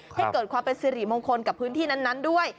ให้เกิดความเป็นสิริมงคลกับพื้นที่นั้นด้วย